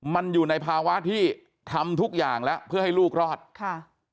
มันอยู่ในภาวะที่ทำทุกอย่างแล้วเพื่อให้ลูกรอดค่ะ